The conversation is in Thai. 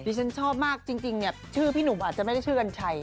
ฉันชอบมากจริงเนี่ยชื่อพี่หนุ่มอาจจะไม่ได้ชื่อกัญชัย